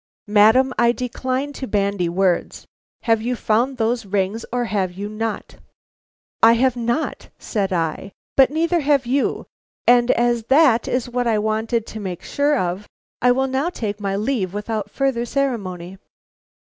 "Madam, I decline to bandy words. Have you found those rings, or have you not?" "I have not," said I, "but neither have you, and as that is what I wanted to make sure of, I will now take my leave without further ceremony."